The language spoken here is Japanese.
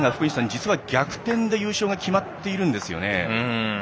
実は逆転で優勝が決まっているんですよね。